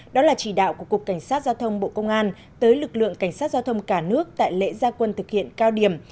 đó là chỉ đạo của cục cảnh sát giao thông bộ công an tới lực lượng cảnh sát giao thông cả nước tại lễ gia quân thực hiện cao điểm